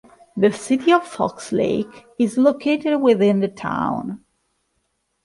The City of Fox Lake is located within the town.